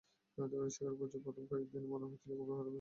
স্বীকার করছি, প্রথম কয়েক দিন মনে হচ্ছিল, খুবই খারাপ কিছু হয়েছে।